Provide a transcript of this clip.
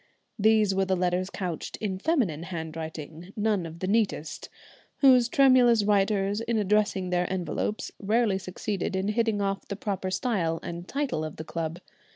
These were the letters couched in feminine handwriting, none of the neatest, whose tremulous writers, in addressing their envelopes, rarely succeeded in hitting off the proper style and title of the club.